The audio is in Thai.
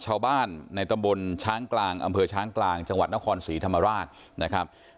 ชาวบ้านในตำบลช้างกลางอำเภอช้างกลางจังหวัดนครศรีธรรมราชนะครับ